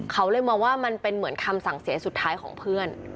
เขาเลยมองว่ามันเป็นเหมือนคำสั่งเสียสุดท้ายของเพื่อน